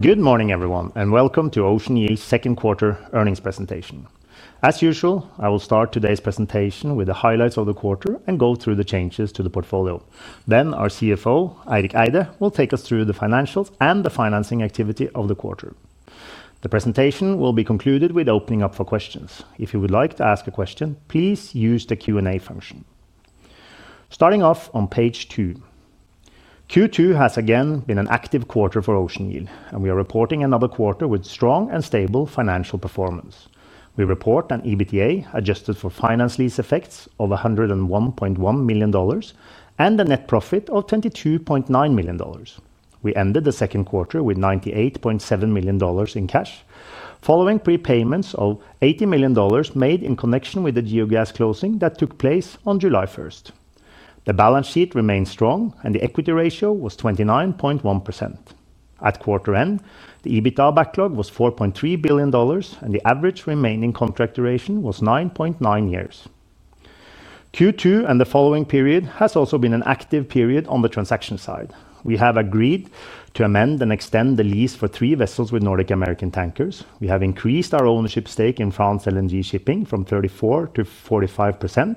Good morning, everyone, and welcome to Ocean Yield's Second Quarter Earnings presentation. As usual, I will start today's presentation with the highlights of the quarter and go through the changes to the portfolio. Then, our CFO, Eirik Eide, will take us through the financials and the financing activity of the quarter. The presentation will be concluded with opening up for questions. If you would like to ask a question, please use the Q&A function. Starting off on page two, Q2 has again been an active quarter for Ocean Yield, and we are reporting another quarter with strong and stable financial performance. We report an EBITDA adjusted for finance lease effects of $101.1 million and a net profit of $22.9 million. We ended the second quarter with $98.7 million in cash, following prepayments of $80 million made in connection with the Geogas closing that took place on July 1st. The balance sheet remained strong, and the equity ratio was 29.1%. At quarter end, the EBITDA backlog was $4.3 billion, and the average remaining contract duration was 9.9 years. Q2 and the following period have also been an active period on the transaction side. We have agreed to amend and extend the lease for three vessels with Nordic American Tankers. We have increased our ownership stake in France LNG Shipping from 34% to 45%,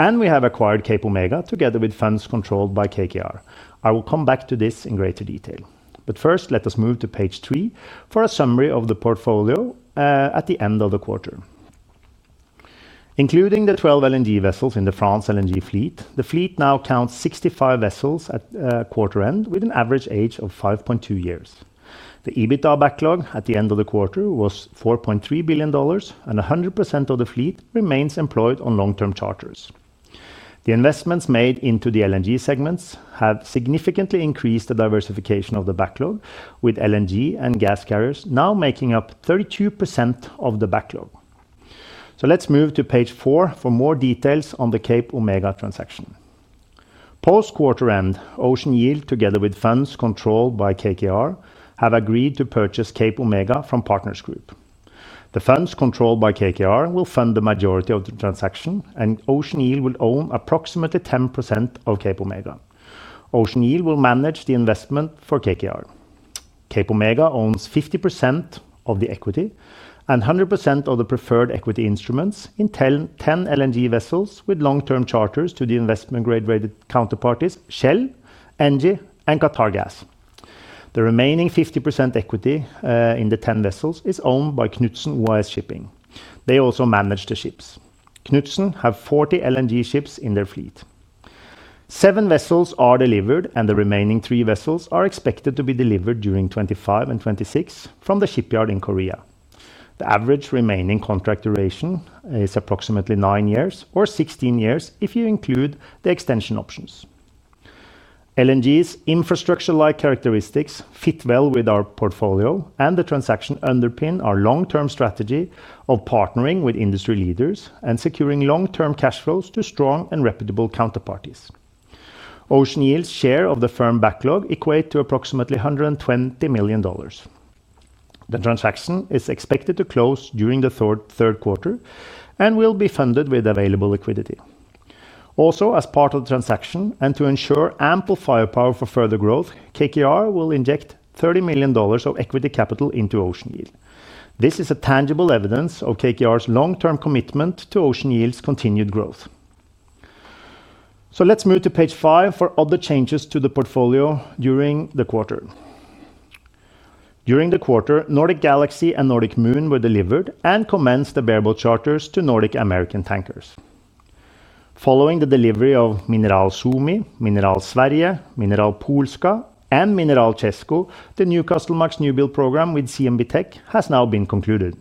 and we have acquired CapeOmega together with funds controlled by KKR. I will come back to this in greater detail. Let us move to page three for a summary of the portfolio at the end of the quarter. Including the 12 LNG vessels in the France LNG fleet, the fleet now counts 65 vessels at quarter end with an average age of 5.2 years. The EBITDA backlog at the end of the quarter was $4.3 billion, and 100% of the fleet remains employed on long-term charters. The investments made into the LNG segments have significantly increased the diversification of the backlog, with LNG and gas carriers now making up 32% of the backlog. Let's move to page four for more details on the CapeOmega transaction. Post-quarter end, Ocean Yield, together with funds controlled by KKR, have agreed to purchase CapeOmega from Partners Group. The funds controlled by KKR will fund the majority of the transaction, and Ocean Yield will own approximately 10% of CapeOmega. Ocean Yield will manage the investment for KKR. CapeOmega owns 50% of the equity and 100% of the preferred equity instruments in 10 LNG vessels with long-term charters to the investment-grade rated counterparties Shell, Engie, and Qatar Gas. The remaining 50% equity in the 10 vessels is owned by Knutsen OAS Shipping. They also manage the ships. Knutsen has 40 LNG ships in their fleet. Seven vessels are delivered, and the remaining three vessels are expected to be delivered during 2025 and 2026 from the shipyard in Korea. The average remaining contract duration is approximately nine years or 16 years if you include the extension options. LNG's infrastructure-like characteristics fit well with our portfolio, and the transaction underpins our long-term strategy of partnering with industry leaders and securing long-term cash flows to strong and reputable counterparties. Ocean Yield's share of the firm backlog equates to approximately $120 million. The transaction is expected to close during the third quarter and will be funded with available liquidity. Also, as part of the transaction and to ensure ample firepower for further growth, KKR will inject $30 million of equity capital into Ocean Yield. This is tangible evidence of KKR's long-term commitment to Ocean Yield's continued growth. Let's move to page five for other changes to the portfolio during the quarter. During the quarter, NORDIC GALAXY and NORDIC MOON were delivered and commenced the bareboat charters to Nordic American Tankers. Following the delivery of MINERAL SUOMI, MINERAL SVERIGE, MINERAL POLSKA, and MINERAL CESKO, the Newcastlemax newbuild program with CMB.TECH has now been concluded.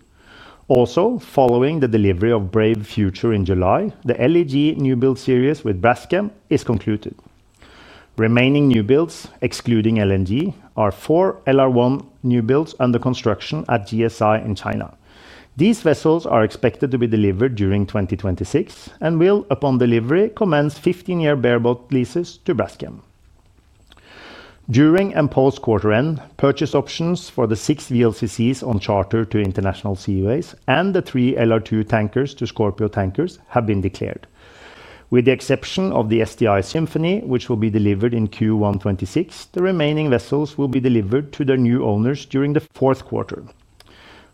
Also, following the delivery of Brave Future in July, the LEG newbuild series with Braskem is concluded. Remaining newbuilds, excluding LNG, are four LR1 newbuilds under construction at GSI in China. These vessels are expected to be delivered during 2026 and will, upon delivery, commence 15-year bareboat leases to Braskem. During and post-quarter end, purchase options for the six VLCCs on charter to International Seaways and the three LR2 tankers to Scorpio Tankers have been declared. With the exception of the STI SYMPHONY which will be delivered in Q1 2026, the remaining vessels will be delivered to their new owners during the fourth quarter.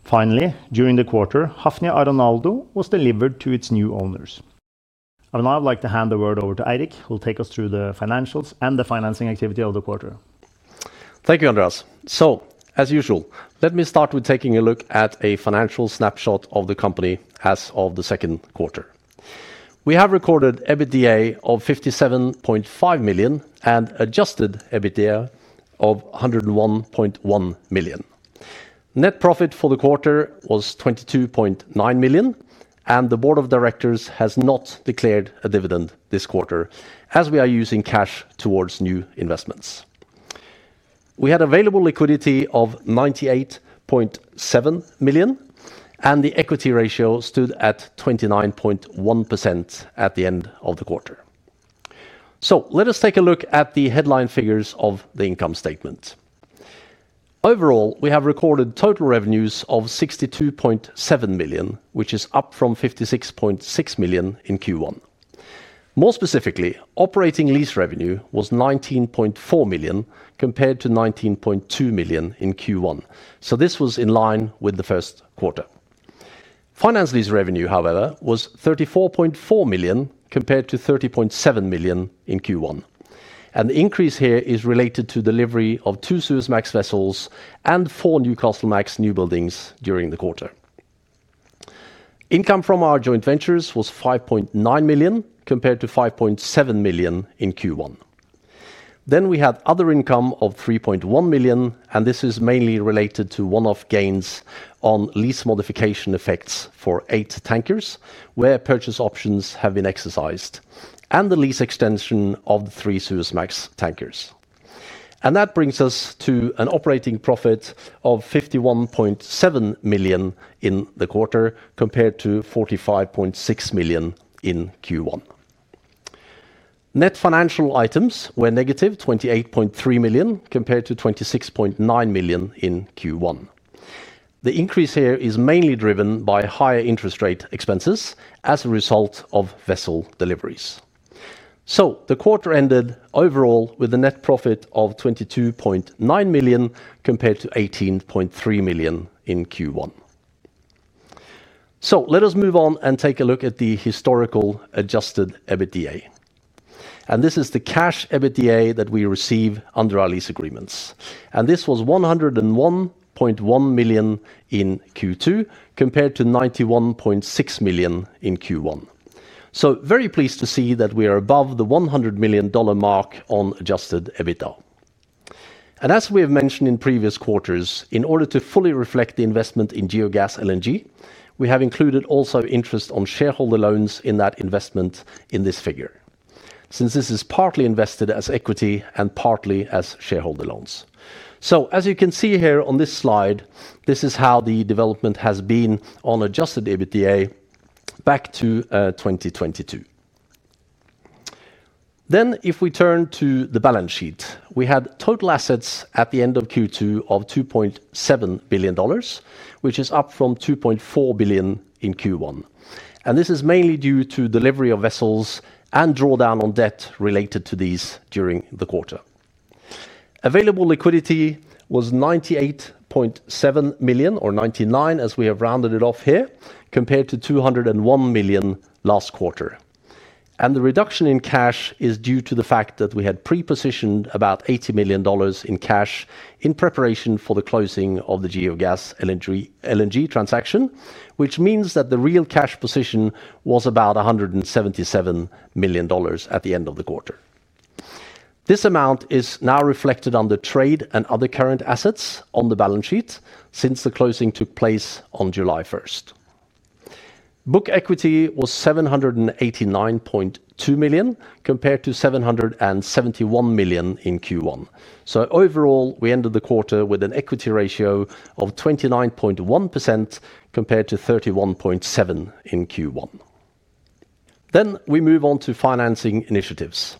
Finally, during the quarter, HAFNIA ARONALDO was delivered to its new owners. I would now like to hand the word over to Eirik, who will take us through the financials and the financing activity of the quarter. Thank you, Andreas. As usual, let me start with taking a look at a financial snapshot of the company as of the second quarter. We have recorded EBITDA of $57.5 million and adjusted EBITDA of $101.1 million. Net profit for the quarter was $22.9 million, and the Board of Directors has not declared a dividend this quarter as we are using cash towards new investments. We had available liquidity of $98.7 million, and the equity ratio stood at 29.1% at the end of the quarter. Let us take a look at the headline figures of the income statement. Overall, we have recorded total revenues of $62.7 million, which is up from $56.6 million in Q1. More specifically, operating lease revenue was $19.4 million compared to $19.2 million in Q1. This was in line with the first quarter. Finance lease revenue, however, was $34.4 million compared to $30.7 million in Q1. The increase here is related to the delivery of two Suezmax vessels and four Newcastlemax newbuildings during the quarter. Income from our joint ventures was $5.9 million compared to $5.7 million in Q1. We had other income of $3.1 million, and this is mainly related to one-off gains on lease modification effects for eight tankers where purchase options have been exercised, and the lease extension of the three Suezmax tankers. That brings us to an operating profit of $51.7 million in the quarter compared to $45.6 million in Q1. Net financial items were -$28.3 million compared to $26.9 million in Q1. The increase here is mainly driven by higher interest rate expenses as a result of vessel deliveries. The quarter ended overall with a net profit of $22.9 million compared to $18.3 million in Q1. Let us move on and take a look at the historical adjusted EBITDA. This is the cash EBITDA that we receive under our lease agreements. This was $101.1 million in Q2 compared to $91.6 million in Q1. Very pleased to see that we are above the $100 million mark on adjusted EBITDA. As we have mentioned in previous quarters, in order to fully reflect the investment in Geogas LNG, we have included also interest on shareholder loans in that investment in this figure, since this is partly invested as equity and partly as shareholder loans. As you can see here on this slide, this is how the development has been on adjusted EBITDA back to 2022. If we turn to the balance sheet, we had total assets at the end of Q2 of $2.7 billion, which is up from $2.4 billion in Q1. This is mainly due to the delivery of vessels and drawdown on debt related to these during the quarter. Available liquidity was $98.7 million or $99 million, as we have rounded it off here, compared to $201 million last quarter. The reduction in cash is due to the fact that we had prepositioned about $80 million in cash in preparation for the closing of the Geogas LNG transaction, which means that the real cash position was about $177 million at the end of the quarter. This amount is now reflected on the trade and other current assets on the balance sheet since the closing took place on July 1st. Book equity was $789.2 million compared to $771 million in Q1. Overall, we ended the quarter with an equity ratio of 29.1% compared to 31.7% in Q1. We move on to financing initiatives.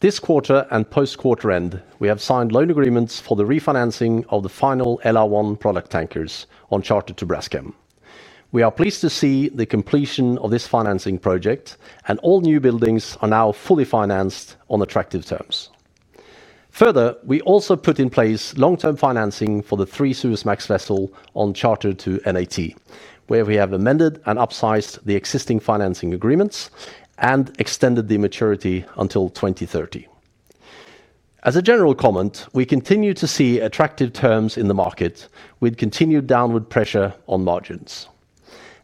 This quarter and post-quarter end, we have signed loan agreements for the refinancing of the final LR1 product tankers on charter to Braskem. We are pleased to see the completion of this financing project, and all newbuilds are now fully financed on attractive terms. Further, we also put in place long-term financing for the three Suezmax vessels on charter to NAT, where we have amended and upsized the existing financing agreements and extended the maturity until 2030. As a general comment, we continue to see attractive terms in the market with continued downward pressure on margins.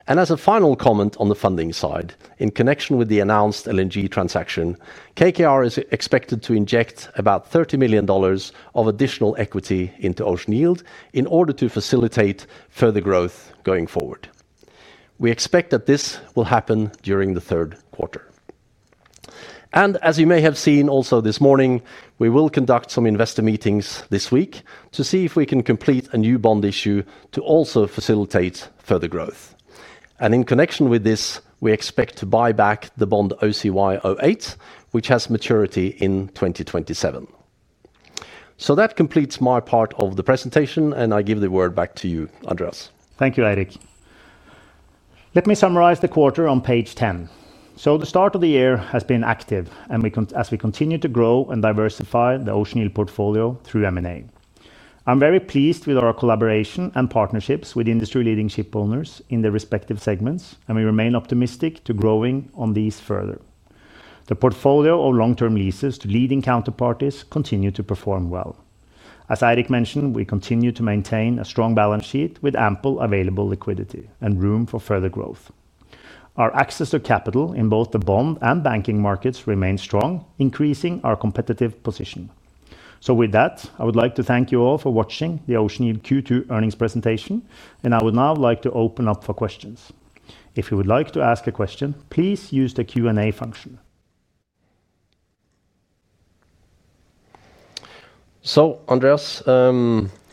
As a final comment on the funding side, in connection with the announced LNG transaction, KKR is expected to inject about $30 million of additional equity into Ocean Yield in order to facilitate further growth going forward. We expect that this will happen during the third quarter. As you may have seen also this morning, we will conduct some investor meetings this week to see if we can complete a new bond issue to also facilitate further growth. In connection with this, we expect to buy back the bond OCY08, which has maturity in 2027. That completes my part of the presentation, and I give the word back to you, Andreas. Thank you, Eirik. Let me summarize the quarter on page 10. The start of the year has been active, and as we continue to grow and diversify the Ocean Yield portfolio through M&A, I'm very pleased with our collaboration and partnerships with industry leading shipowners in their respective segments, and we remain optimistic to growing on these further. The portfolio of long-term leases to leading counterparties continues to perform well. As Eirik mentioned, we continue to maintain a strong balance sheet with ample available liquidity and room for further growth. Our access to capital in both the bond and banking markets remains strong, increasing our competitive position. I would like to thank you all for watching the Ocean Yield Q2 Earnings presentation, and I would now like to open up for questions. If you would like to ask a question, please use the Q&A function. Andreas,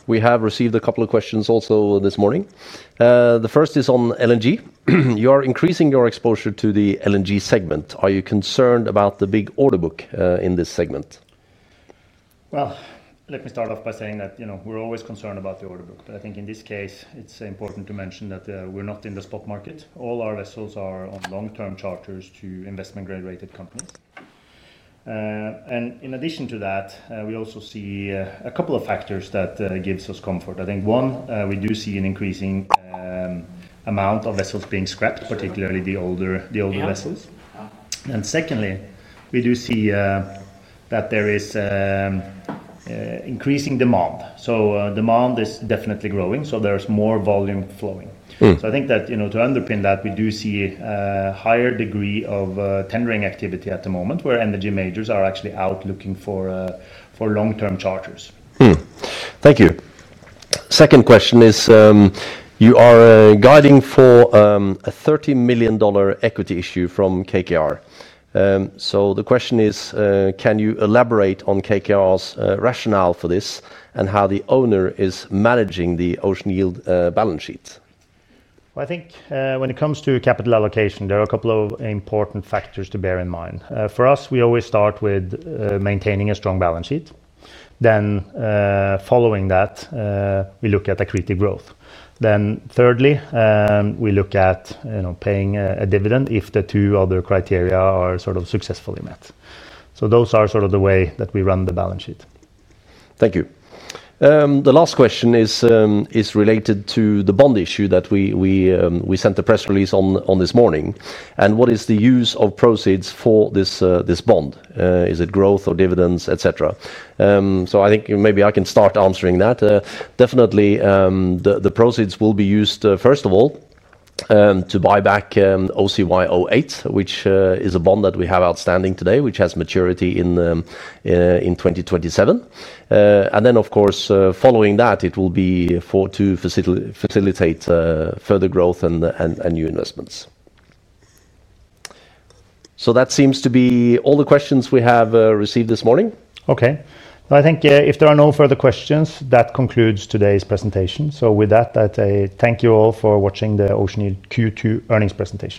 we have received a couple of questions also this morning. The first is on LNG. You are increasing your exposure to the LNG segment. Are you concerned about the big order book in this segment? Let me start off by saying that we're always concerned about the order book, but I think in this case, it's important to mention that we're not in the spot market. All our vessels are on long-term charters to investment-grade rated companies. In addition to that, we also see a couple of factors that give us comfort. I think, one, we do see an increasing amount of vessels being scrapped, particularly the older vessels. Secondly, we do see that there is increasing demand. Demand is definitely growing, so there's more volume flowing. I think that, to underpin that, we do see a higher degree of tendering activity at the moment where energy majors are actually out looking for long-term charters. Thank you. The second question is, you are guiding for a $30 million equity issue from KKR. The question is, can you elaborate on KKR's rationale for this and how the owner is managing the Ocean Yield balance sheet? I think when it comes to capital allocation, there are a couple of important factors to bear in mind. For us, we always start with maintaining a strong balance sheet. Following that, we look at acquisitive growth. Thirdly, we look at paying a dividend if the two other criteria are sort of successfully met. Those are sort of the way that we run the balance sheet. Thank you. The last question is related to the bond issue that we sent a press release on this morning. What is the use of proceeds for this bond? Is it growth or dividends, et cetera? I think maybe I can start answering that. Definitely, the proceeds will be used, first of all, to buy back OCY08, which is a bond that we have outstanding today, which has maturity in 2027. Following that, it will be to facilitate further growth and new investments. That seems to be all the questions we have received this morning. Okay. I think if there are no further questions, that concludes today's presentation. With that, I'd say thank you all for watching the Ocean Yield Q2 Earnings presentation.